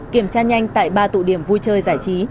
kiểm tra nhanh tại ba tụ điểm vui chơi giải trí